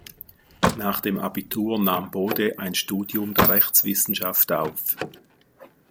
Nach dem Abitur nahm Bode ein Studium der Rechtswissenschaft auf.